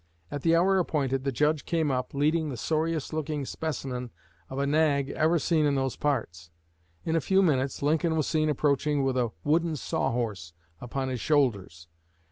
At the hour appointed the Judge came up, leading the sorriest looking specimen of a nag ever seen in those parts. In a few minutes Lincoln was seen approaching with a wooden saw horse upon his shoulders.